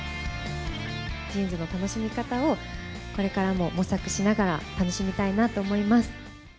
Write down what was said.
ジーンズの楽しみ方を、これからも模索しながら、楽しみたいなと思います。